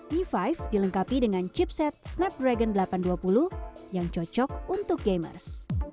mi lima dilengkapi dengan chipset snapdragon delapan ratus dua puluh yang cocok untuk gamers